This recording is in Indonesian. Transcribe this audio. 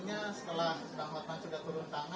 tentunya setelah bang wartman sudah turun tangan